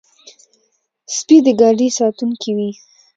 سپي د ګاډي ساتونکي وي.